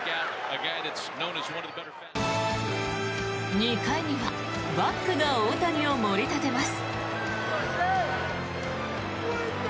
２回にはバックが大谷を盛り立てます。